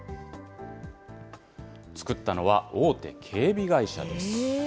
作ったのは大手警備会社です。